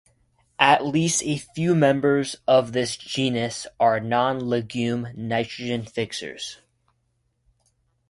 At least a few members of this genus are non-legume nitrogen fixers.